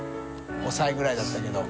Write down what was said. ５歳ぐらいだったけど。